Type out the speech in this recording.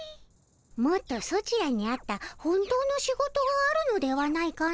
もっとソチらに合った本当の仕事があるのではないかの。